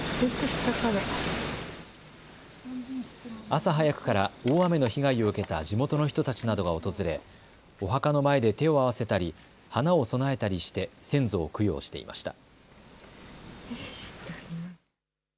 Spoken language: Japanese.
朝早くから大雨の被害を受けた地元の人たちなどが訪れお墓の前で手を合わせたり花を供えたりして先祖を供養していました。